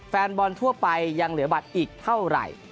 แฟนบอลทั่วไปยังเหลือบัตรอีกเท่าไหร่